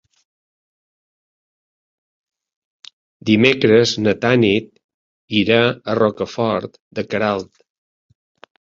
Dimecres na Tanit irà a Rocafort de Queralt.